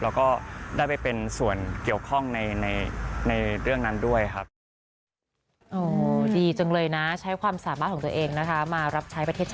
แล้วก็ได้ไปเป็นส่วนเกี่ยวข้องในเรื่องนั้นด้วยครับ